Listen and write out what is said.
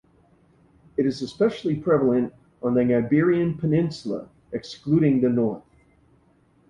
It is especially prevalent on the Iberian Peninsula (excluding the north).